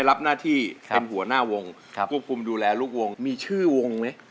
แล้วก็ควรดูแลลูกวงมีชื่อวงเนี่ย